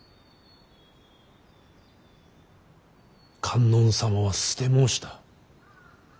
観音様は捨て申した。